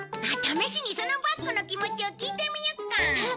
試しにそのバッグの気持ちを聞いてみようか？